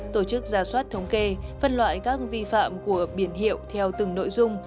tổ chức ra soát thống kê phân loại các vi phạm của biển hiệu theo từng nội dung